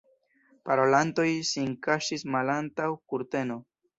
Parolantoj sin kaŝis malantaŭ kurteno.